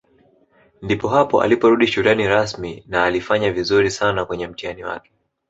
Ndipo hapo aliporudi shuleni rasmi na alifanya vizuri sana kwenye mtihani wake